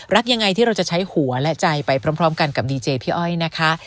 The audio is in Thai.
รักยังไงที่เราจะใช้หัวและใจไปพร้อมกันกับดีเจพี่อ้อยนะคะ